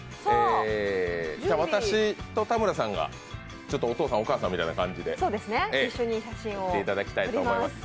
私と田村さんがお父さん、お母さんみたいな感じで撮っていただきたいと思います。